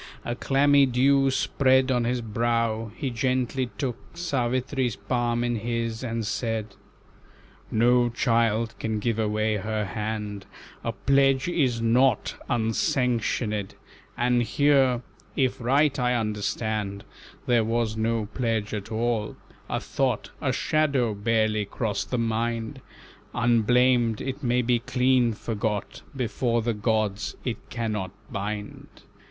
A clammy dew Spread on his brow, he gently took Savitri's palm in his, and said: "No child can give away her hand, A pledge is nought unsanctionèd; And here, if right I understand, There was no pledge at all, a thought, A shadow, barely crossed the mind Unblamed, it may be clean forgot, Before the gods it cannot bind.